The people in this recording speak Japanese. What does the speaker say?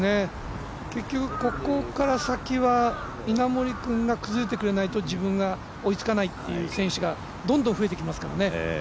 結局、ここから先は稲森君が崩れてくれないと自分が追いつかないという選手がどんどん増えてきますからね。